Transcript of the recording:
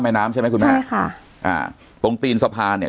แม่น้ำใช่ไหมคุณแม่ใช่ค่ะอ่าตรงตีนสะพานเนี้ย